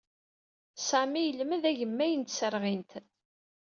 Sami yelmed agemmay n tserɣint.